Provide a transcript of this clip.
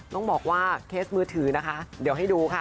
ต้องบอกว่าเคสมือถือนะคะเดี๋ยวให้ดูค่ะ